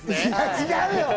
違うよ！